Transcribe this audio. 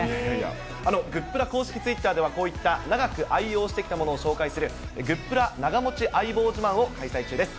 グップラ公式ツイッターではこういった長く愛用してきたものを紹介する、グップラ長もち相棒自慢を開催中です。